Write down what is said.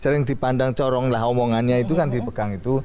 sering dipandang corong lah omongannya itu kan dipegang itu